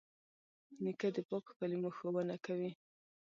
نیکه د پاکو کلمو ښوونه کوي.